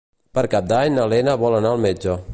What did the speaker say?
Per Cap d'Any na Lena vol anar al metge.